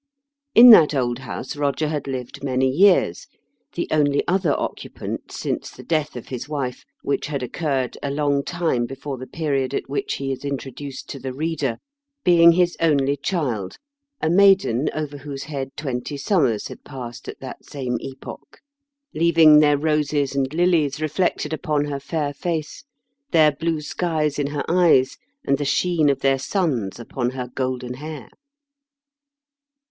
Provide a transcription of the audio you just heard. In that old house Koger had lived many years, the only other occupant, since the . death of his wife, which had occurred a long time before the period at which he is introduced to the reader, being his only child, a maiden over whose head twenty summers had passed at that same epoch, leaving their xoses and lilies reflected upon her fair face, their blue skies in her eyes, and the sheen of their suns upon her golden hair.